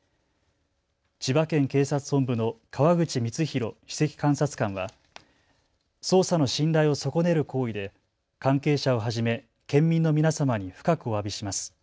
千葉県警察本部の川口光浩首席監察官は捜査の信頼を損ねる行為で関係者をはじめ県民の皆様に深くおわびします。